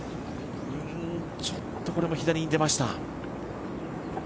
ちょっと、これも左に出ました。